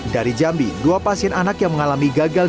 dari jambi dua pasien anak yang mengalami gagal